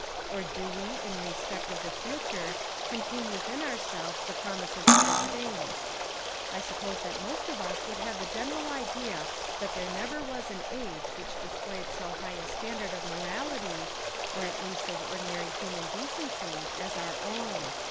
or do we, in respect of the future, contain within ourselves the promise of better things. I suppose that most of us would have the gen 48 The Devil and the Deep Sea eral Idea that there never was an age which displayed so high a standard of morahty, or at least of ordinary human decency, as our own.